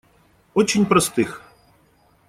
Очень простых.